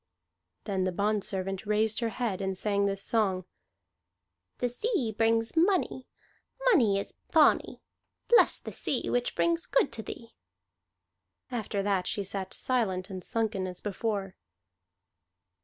Then the bondservant raised her head and sang this song: "The sea brings money; Money is bonny. Bless then the sea Which brings good to thee." After that she sat silent and sunken as before.